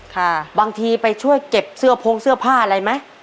ค่ะบางทีไปช่วยเก็บเสื้อโพงเสื้อผ้าอะไรไหม